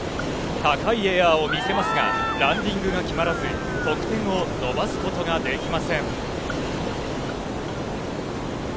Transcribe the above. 高いエアを見せますが、ランディングが決まらず、得点を伸ばすことができません。